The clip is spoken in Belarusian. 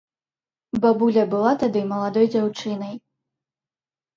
Бабуля была тады маладой дзяўчынай.